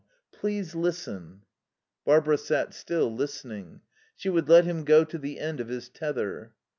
Please listen." Barbara sat still, listening. She would let him go to the end of his tether.